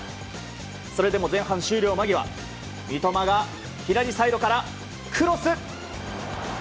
それでも前半終了間際三笘が左サイドからクロス。